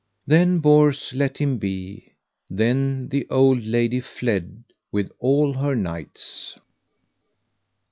Then Bors let him be; then the old lady fled with all her knights.